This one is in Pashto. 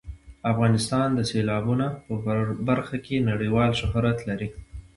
افغانستان د سیلابونه په برخه کې نړیوال شهرت لري.